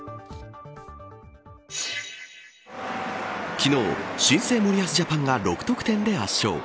昨日、新生森保ジャパンが６得点で圧勝。